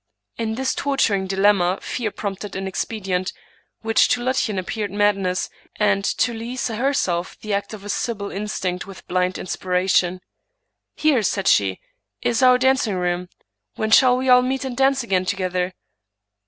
In this torturing dilemma fear prompted an expedient, which to Lottchen ap peared madness, and to Louisa herself the act of a sibyl instinct with blind inspiration. " Here," said she, " is our dancing room. When shall we all meet and dance again together?".